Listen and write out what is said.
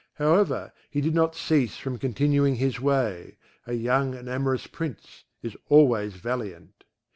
However, he did not cease from continuing his way; a young and amorous Prince is always valiant.